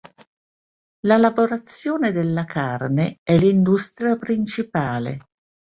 La lavorazione della carne è l'industria principale.